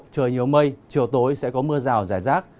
trời nhiều mây chiều tối sẽ có mưa rào rải rác